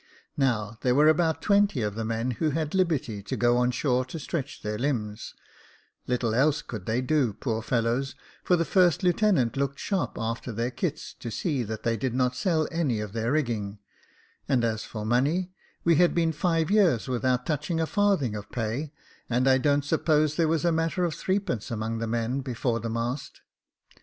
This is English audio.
Now, there were about twenty of the men who had liberty to go on shore to stretch their limbs — little else could they do, poor fellows, for the first lieutenant looked sharp after their kits, to see that they did not sell any of their rigging ; and as for money, we had been five years without touching a farthing of pay, and I don't suppose there was a matter of threepence i8o Jacob Faithful among the men before the mast.